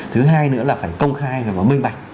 thứ hai nữa là phải công khai và minh bạch